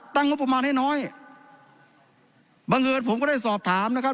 งบประมาณให้น้อยบังเอิญผมก็ได้สอบถามนะครับ